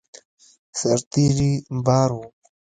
سرتېري بار وو.